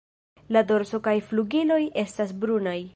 La dorso kaj flugiloj estas brunaj.